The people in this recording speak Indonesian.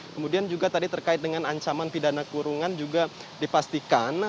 kemudian juga tadi terkait dengan ancaman pidana kurungan juga dipastikan